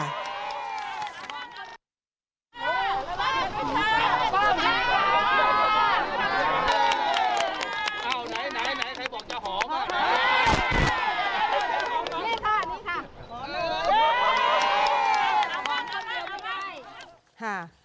ไหนใครบอกจะหอม